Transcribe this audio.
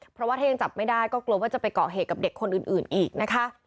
เพราะว่าถ้ายังจับไม่ได้ก็กลัวว่าจะไปเกาะเหตุกับเด็กคนอื่นอีกนะคะ